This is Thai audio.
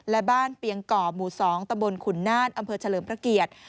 และบ้านเปียงก่อหมู่๒ตะบนขุนนานอำเภอเฉลิมพระเกียรติ